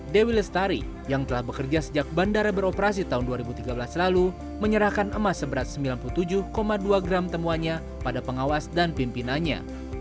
dewi lestari yang telah bekerja sejak bandara beroperasi tahun dua ribu tiga belas lalu menyerahkan emas seberat sembilan puluh tujuh dua gram temuannya pada pengawas dan pimpinannya